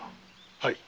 はい。